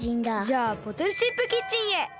じゃあボトルシップキッチンへ。